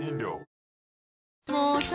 もうさ